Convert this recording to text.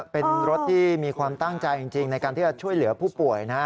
เป็นรถที่มีความตั้งใจจริงในการที่จะช่วยเหลือผู้ป่วยนะฮะ